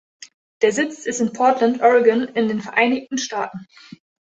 Der Sitz ist in Portland, Oregon in den Vereinigten Staaten.